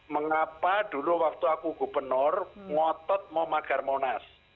mengapa dulu waktu aku gubernur ngotot mau magar monas